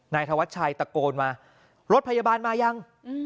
ธวัชชัยตะโกนมารถพยาบาลมายัง